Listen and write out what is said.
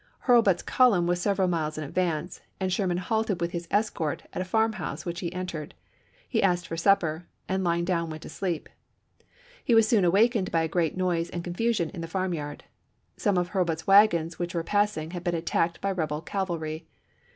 Hurlbut's column was several miles in GKANT GENERAL IN CHIEF 331 advance and Sherman halted with his escort at a ch. xm. farm house, which he entered ; he asked for supper, and lying down went to sleep. He was soon awa kened by a great noise and confusion in the farm yard. Some of Hurlbut's wagons which were pass ing had been attacked by rebel cavalry.